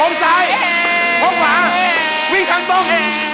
ซ้ายโค้งขวาวิ่งทางตรง